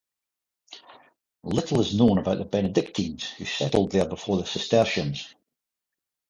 Little is known about the Benedictines who settled there before the Cistercians.